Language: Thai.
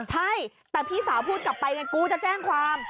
ใช่แต่พี่สาวพูดกลับไปไงกูจะแจ้งความ